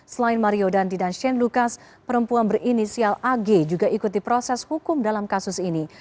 selain mario dandi dan shane lucas perempuan berinisial ag juga ikuti proses hukum dalam kasus ini